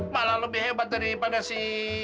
malah lebih hebat daripada si